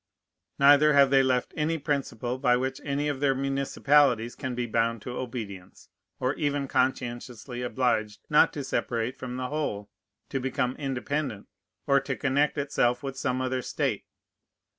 Neither have they left any principle by which any of their municipalities can be bound to obedience, or even conscientiously obliged not to separate from the whole, to become independent, or to connect itself with some other state.